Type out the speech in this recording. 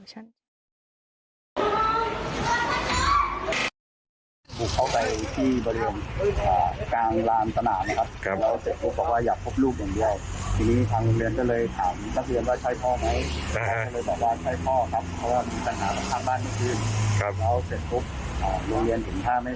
หื้อหื้อหื้อ